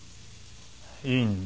いいんだ。